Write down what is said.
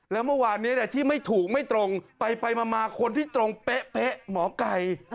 แล้วเมื่อวานนี้ที่ไม่ถูกไม่ตรงไปมาคนที่ตรงเป๊ะหมอไก่